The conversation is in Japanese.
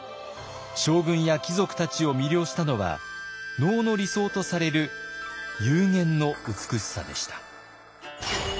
将軍や貴族たちを魅了したのは能の理想とされる幽玄の美しさでした。